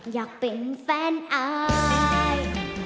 อยากเป็นแฟนอาย